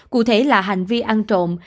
cụ thể là hành vi ăn trộm